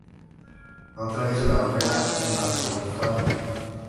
No atraviesa la barrera hematoencefálica.